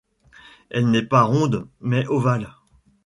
Elle n'est pas ronde, mais ovale.